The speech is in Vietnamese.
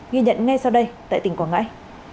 ghi nhận ngay sau đây tại tỉnh quảng ngãi